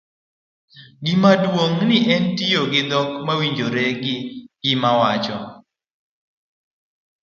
gimaduong' en ni itiyo gi dhok mowinjore gi gima wacho